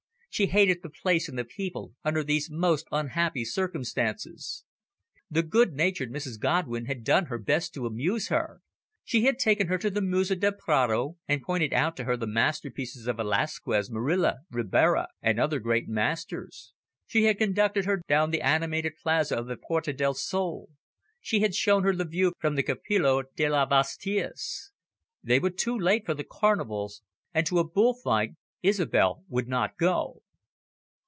She hated the place and the people, under these most unhappy circumstances. The good natured Mrs Godwin had done her best to amuse her. She had taken her to the Museo del Prado, and pointed out to her the masterpieces of Velazquez, Murillo, Ribera, and other great masters. She had conducted her down the animated plaza of the Puerta del Sol. She had shown her the view from the Campillo de las Vistillas. They were too late for the Carnivals, and to a bull fight Isobel would not go.